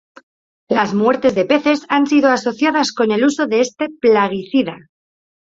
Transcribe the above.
Las muertes de peces han sido asociadas con el uso de este plaguicida.